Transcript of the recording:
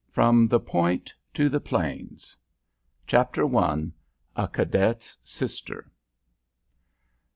FROM "THE POINT" TO THE PLAINS. CHAPTER I. A CADET'S SISTER.